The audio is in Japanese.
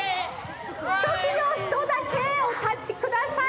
チョキのひとだけおたちください！